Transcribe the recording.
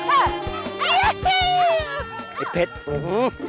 ไอ้เผช